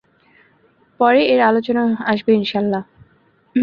পরে এর আলোচনা আসবে ইনশাআল্লাহ।